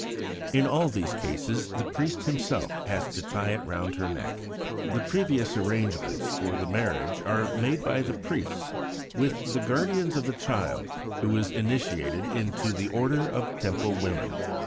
In all these cases the priest himself has to tie it round her neck. The previous arrangements for the marriage are made by the priests with the guardians of the child who is to be initiated into the order of Temple women.